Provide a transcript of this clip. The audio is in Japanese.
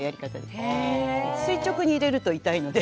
垂直に入れると痛いので。